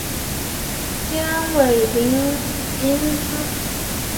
尖尾银鳞蛛为肖峭科银鳞蛛属的动物。